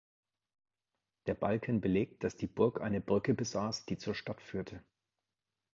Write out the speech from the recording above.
Der Balken belegt, dass die Burg eine Brücke besaß, die zur Stadt führte.